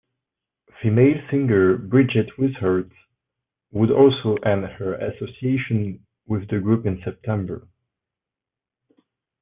Female singer Bridget Wishart would also end her association with the group in September.